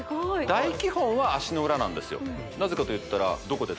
大基本は足の裏なんですよ